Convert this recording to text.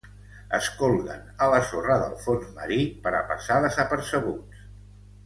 Es colguen a la sorra del fons marí per a passar desapercebuts.